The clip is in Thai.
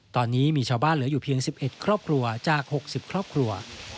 ตอนนี้มีชาวบ้านเหลืออยู่เพียง๑๑ครอบครัวจาก๖๐ครอบครัว